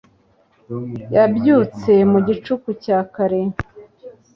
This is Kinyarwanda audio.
Yabyutse mu gicuku cya kare